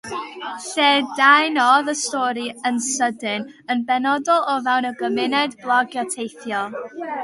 Lledaenodd y stori yn sydyn, yn benodol o fewn y gymuned blogio teithio.